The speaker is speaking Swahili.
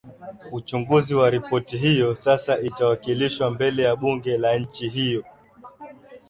uchunguzi wa ripoti hiyo sasa itawakilishwa mbele ya bunge la nchi hiyo